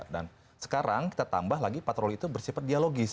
dan sekarang kita tambah lagi patroli itu bersifat dialogis